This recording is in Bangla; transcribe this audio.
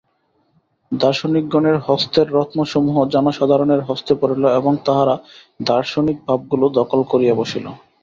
দার্শনিকগণের হস্তের রত্নসমূহ জনসাধারণের হস্তে পড়িল এবং তাহারা দার্শনিক ভাবগুলি দখল করিয়া বসিল।